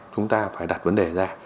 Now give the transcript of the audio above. chúng ta phải đặt vấn đề ra